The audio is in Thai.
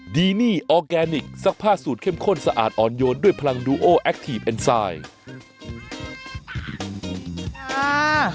ดีนี่ออร์แกนิคซักผ้าสูตรเข้มข้นสะอาดอ่อนโยนด้วยพลังดูโอแอคทีฟเอ็นไซด์